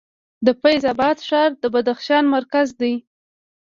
د فیض اباد ښار د بدخشان مرکز دی